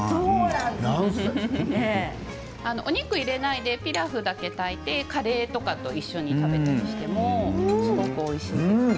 お肉を入れないでピラフだけ炊いてカレーと一緒に食べたりしてもすごくおいしいです。